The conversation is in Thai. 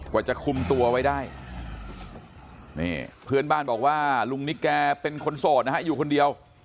กว่าจะคุมตัวไว้ได้นี่เพื่อนบ้านบอกว่าลุงนิกแกเป็นคนโสดนะฮะอยู่คนเดียว